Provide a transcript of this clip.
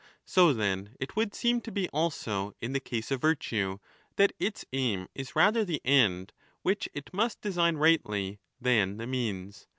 So, then, it would seem to be also in the case of virtue, that its aim is rather the end, which it must design rightly, than the means.